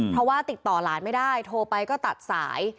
เพราะว่าติดต่อหลานไม่ได้โทรไปก็ตัดสาย